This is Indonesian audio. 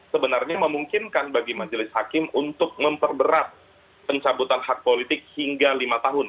sebenarnya memungkinkan bagi majelis hakim untuk memperberat pencabutan hak politik hingga lima tahun